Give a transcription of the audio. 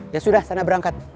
ya sudah sana berangkat